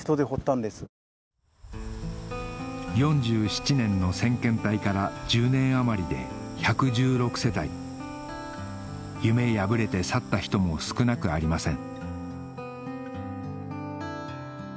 ４７年の先遣隊から１０年余りで１１６世帯夢破れて去った人も少なくありません